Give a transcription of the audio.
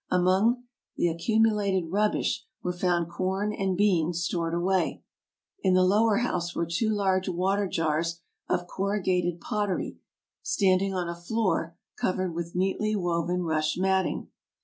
Among the accumulated rubbish were found corn and beans stored away. In the lower house were two large water jars of corrugated pottery standing on a floor covered with neatly woven rush matting.